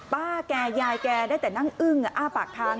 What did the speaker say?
ป้าแกยายแกได้แต่นั่งอึ้งอ้าปากทาง